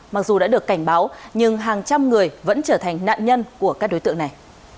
mặc dù đã được cảnh báo nhưng hàng trăm người vẫn trở thành nạn nhân của các đối tượng này